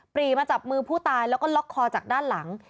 รีมาจับมือผู้ตายแล้วก็ล็อกคอจากด้านหลัง